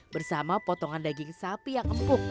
bersama potongan daging sapi yang empuk